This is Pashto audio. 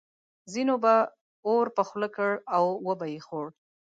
ځینو به اور په خوله کړ او وبه یې خوړ.